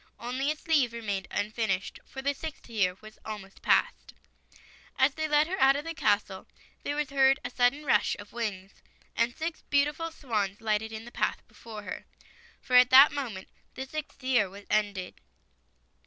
Only a sleeve remained unfinished, for the sixth year was almost passed. As they led her out of the castle, there was heard a sudden rush of wings, and six beau [ 53 ] FAVORITE FAIRY TALES RETOLD tiful swans lighted in the path before her — for at that moment the sixth year was ended.